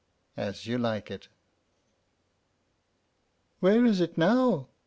As you Like it. "Where is it now?"